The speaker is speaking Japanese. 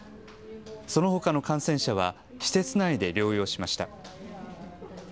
そのほかの感染者は施設内で療養しました。